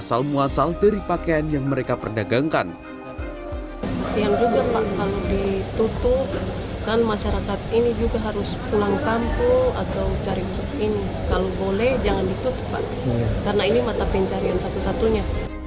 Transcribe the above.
kalau boleh jangan ditutup pak karena ini mata pencarian satu satunya